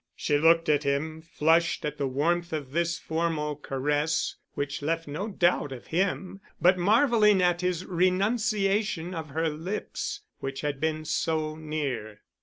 She looked at him, flushed at the warmth of this formal caress, which left no doubt of him, but marveling at his renunciation of her lips, which had been so near.